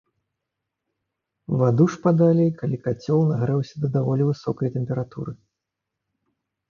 Ваду ж падалі, калі кацёл нагрэўся да даволі высокай тэмпературы.